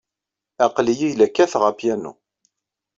Aql-iyi la kkateɣ apyanu.